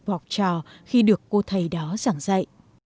hoặc trò khi được cô thầy đó giảng dạy